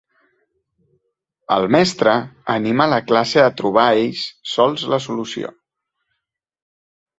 El mestre anima la classe a trobar ells sols la solució.